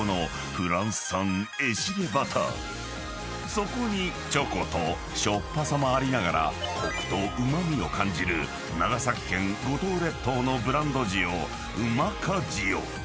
［そこにチョコとしょっぱさもありながらコクとうま味を感じる長崎県五島列島のブランド塩んまか塩］